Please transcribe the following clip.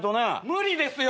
無理ですよ。